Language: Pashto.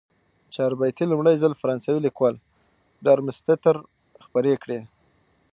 چاربیتې لومړی ځل فرانسوي لیکوال ډارمستتر خپرې کړې.